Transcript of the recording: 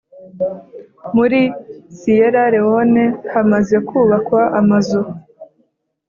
muri Siyera Lewone hamaze kubakwa Amazu